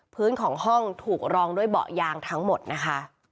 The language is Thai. พื้นของห้องถูกรองด้วยเบาะยางทั้งหมดนะคะ